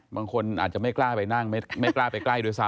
บางคนอาจจะไม่กล้าไปนั่งไม่กล้าไปใกล้ด้วยซ